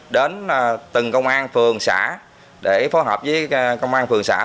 đến từng công an phường xã để phối hợp với công an phường xã